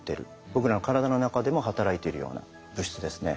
僕らの体の中でも働いているような物質ですね。